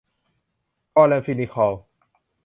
คลอแรมฟินิคอล